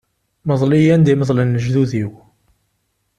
Mḍel-iyi anda i meḍlen lejdud-iw.